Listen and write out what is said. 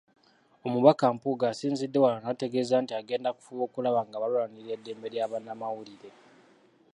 Omubaka Mpuuga asinzidde wano n'ategeeza nti agenda kufuba okulaba nga balwanirira eddembe lya bannamawulire .